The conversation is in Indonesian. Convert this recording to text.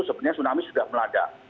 sebenarnya tsunami sudah melanda